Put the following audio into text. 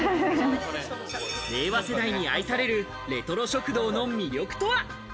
令和世代に愛されるレトロ食堂の魅力とは？